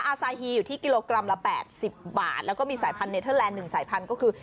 อาซาฮีอยู่ที่กิโลกรัมละ๘๐บาทแล้วก็มีสายพันธเนเทอร์แลนด๑สายพันธุ์ก็คือ